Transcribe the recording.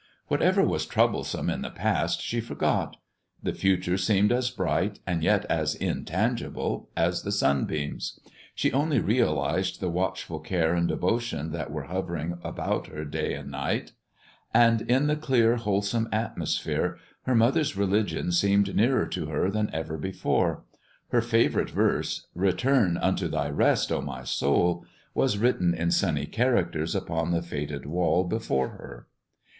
Whatever was troublesome in the past she forgot: the future seemed as bright and yet as intangible as the sunbeams. She only realized the watchful care and devotion that were hovering about her day and night, and, in the clear, wholesome atmosphere, her mother's religion seemed nearer to her than ever before. Her favorite verse, "Return unto thy rest, O my soul," was written in sunny characters upon the faded wall before her.